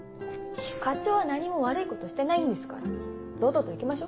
課長は何も悪いことしてないんですから堂々と行きましょ。